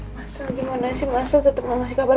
masa gimana sih masa tetap gak ngasih kabar